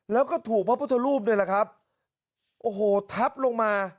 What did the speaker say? แล้วก็ถูกพระพุทธรูปนี่แหละครับโอ้โหทับลงมา